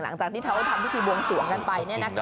หลังจากที่เขาทำพิธีบวงสวงกันไป